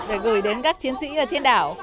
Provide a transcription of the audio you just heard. để gửi đến các chiến sĩ trên đảo